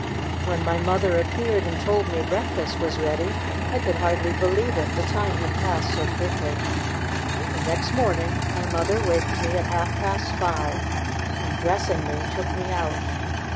When my mother appeared and told me breakfast was ready, I could hardly believe it, the time had passed so quickly. The next morning my mother waked me at half past five, and dressing me took me out.